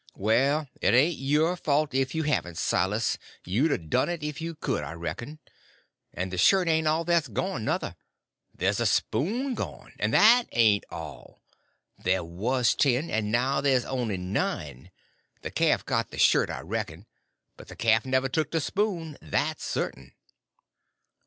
"Well, it ain't your fault if you haven't, Silas; you'd a done it if you could, I reckon. And the shirt ain't all that's gone, nuther. Ther's a spoon gone; and that ain't all. There was ten, and now ther's only nine. The calf got the shirt, I reckon, but the calf never took the spoon, that's certain."